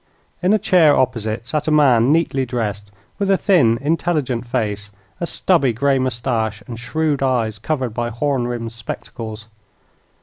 In a chair opposite sat a man neatly dressed, with a thin, intelligent face, a stubby gray moustache, and shrewd eyes covered by horn rimmed spectacles.